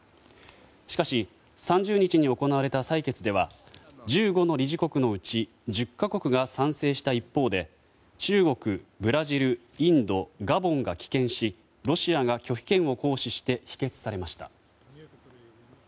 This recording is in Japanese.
しかし３０日に行われた採決では１５の理事国のうち１０か国が賛成した一方で中国、ブラジル、インドガボンが棄権しロシアが拒否権を行使して否決されました。